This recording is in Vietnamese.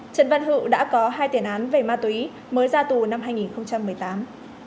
trần văn hữu đã có hai tiền án về ma túy mới ra tù năm hai nghìn một mươi tám